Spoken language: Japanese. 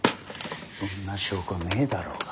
そんな証拠ねえだろうが。